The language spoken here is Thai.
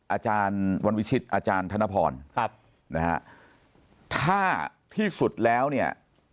อาจารย์วันวิชิตอาจารย์ธนพรครับนะฮะถ้าที่สุดแล้วเนี่ย